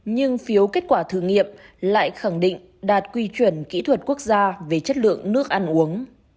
nhưng phiếu kết quả thử nghiệm lại khẳng định đạt quy chuẩn kỹ thuật quốc gia về chất lượng nước ăn uống